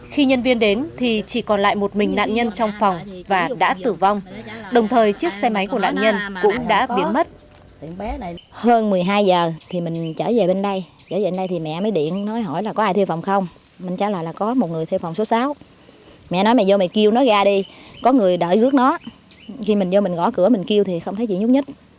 khi nhân viên đến thì chỉ còn lại một mình nạn nhân trong phòng và đã tử vong đồng thời chiếc xe máy của nạn nhân cũng đã biến mất